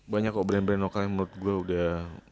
banyak kok brand brand lokal yang menurut gue udah